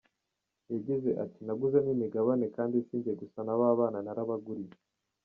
Yagize ati “Naguzemo imigabane kandi sinjye gusa n’ababana narabaguriye.